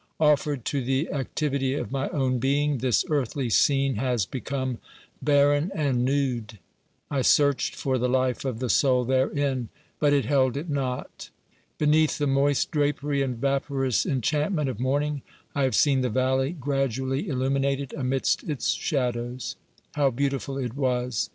Offered to the activity of my own being, this earthly scene has become barren and nude ; I searched for the life of the soul therein, but it held it not. Beneath the moist drapery and vaporous enchantment of morning, I have seen the valley gradually illuminated amidst its shadows. How beautiful it was !